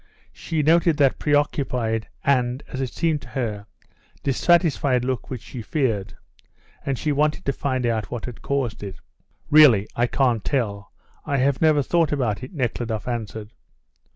She noticed that preoccupied and, as it seemed to her, dissatisfied look which she feared, and she wanted to find out what had caused it. "Really, I can't tell; I have never thought about it," Nekhludoff answered.